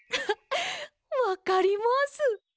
わかります！